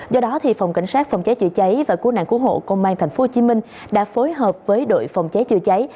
do đó phòng cảnh sát phòng cháy chữa cháy và cứu nạn cứu hộ công an tp hcm đã phối hợp với đội phòng cháy chữa cháy